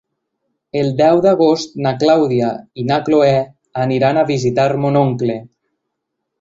El deu d'agost na Clàudia i na Cloè aniran a visitar mon oncle.